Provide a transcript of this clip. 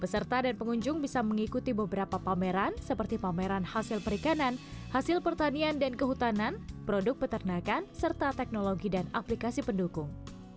peserta dan pengunjung bisa mengikuti beberapa pameran seperti pameran hasil perikanan hasil pertanian dan kehutanan produk peternakan serta teknologi dan aplikasi pendukung